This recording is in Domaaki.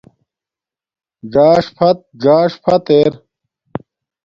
زاݽ فت زاݽ فت ار